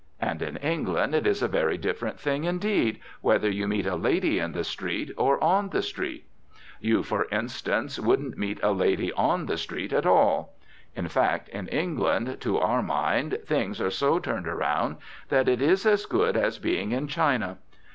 And in England it is a very different thing, indeed, whether you meet a lady in the street or on the street. You, for instance, wouldn't meet a lady on the street at all. In fact, in England, to our mind, things are so turned around that it is as good as being in China.